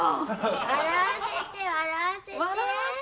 笑わせて笑わせて！